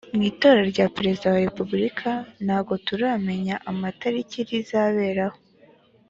mwi tora rya perezida wa repubulika ntago turamenya amatarikiri zaberaho